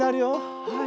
はい。